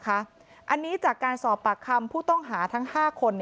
อันนี้จากการสอบปากคำผู้ต้องหาทั้ง๕คน